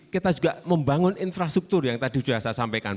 kita juga membangun infrastruktur yang tadi sudah saya sampaikan